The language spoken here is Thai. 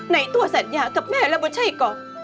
ไหนตัวสัญญากับแม่แล้วไม่ใช่ก็